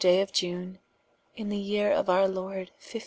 day of Iune, in the yeere of our Lord 1589.